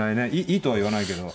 いいとは言わないけど。